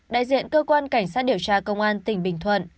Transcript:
đại diện cơ quan cảnh sát điều tra công an tỉnh bình thuận